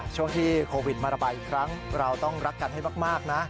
ช่วงที่โควิดมาระบายอีกครั้งเราต้องรักกันให้มากนะ